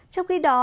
trong khi đó